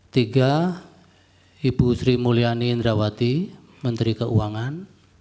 tiga ibu sri mulyani indrawati menteri keuangan